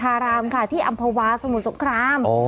ทารามค่ะที่อัมภาวาสมุทรสกราม